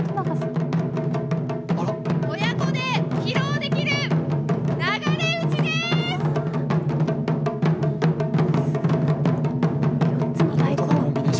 親子で披露できる流れ打ちです。